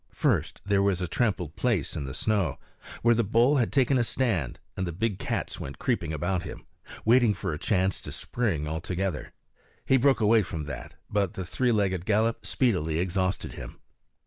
First, there was a trampled place in the snow where the bull had taken a stand and the big cats went creeping about him, waiting for a chance to spring all together. He broke away from that, but the three legged gallop speedily exhausted him.